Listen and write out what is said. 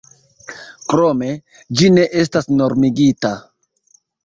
Krome, ĝi ne estas normigita.